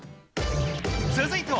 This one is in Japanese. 続いては、